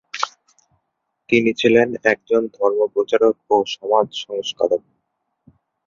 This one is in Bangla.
তিনি ছিলেন একজন ধর্মপ্রচারক ও সমাজ সংস্কারক।